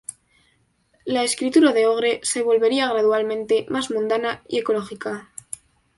La escritura de Ogre se volvería gradualmente más "mundana" y "ecológica".